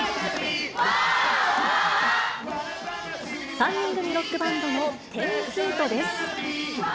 ３人組ロックバンドの１０ーＦＥＥＴです。